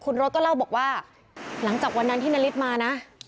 คุณรถก็เล่าบอกว่าหลังจากวันนั้นที่นาริสมานะ